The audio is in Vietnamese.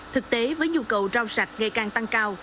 thực tế với nhu cầu rau sạch ngày càng tăng cao